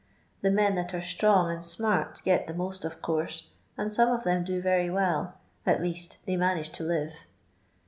Tho men that are tlrong and smart get the most, of course, and some of them do very well, at least they manage to live.